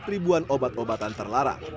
ribuan obat obatan terlarang